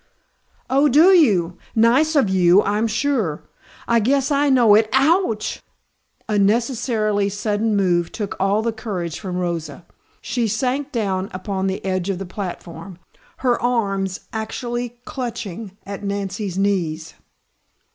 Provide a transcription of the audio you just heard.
"Oh, do you? Nice of you, I'm sure. I guess I know it ouch!" A necessarily sudden move took all the courage from Rosa. She sank down upon the edge of the platform, her arms actually clutching at Nancy's knees.